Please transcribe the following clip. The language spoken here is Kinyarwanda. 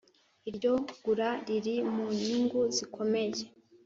Iryo gura riri mu nyungu zikomeye